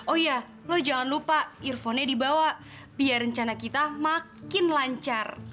oh iya lo jangan lupa earphone nya dibawa biar rencana kita makin lancar